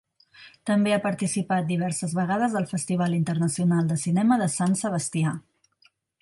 També ha participat diverses vegades al Festival Internacional de Cinema de Sant Sebastià.